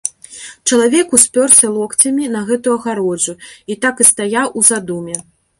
Чалавек успёрся локцямі на гэтую агароджу і так стаяў у задуме.